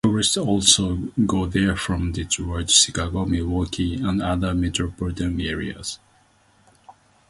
Tourists also go there from Detroit, Chicago, Milwaukee and other metropolitan areas.